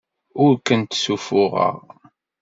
Ur kent-ssuffuɣeɣ.